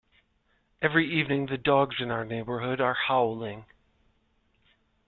Every evening, the dogs in our neighbourhood are howling.